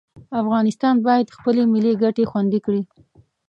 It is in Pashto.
افغانستان باید خپلې ملي ګټې خوندي کړي.